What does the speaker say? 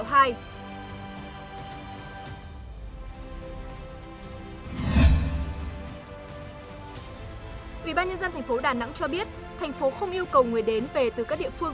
ủy ban nhân dân thành phố đà nẵng cho biết thành phố không yêu cầu người đến về từ các địa phương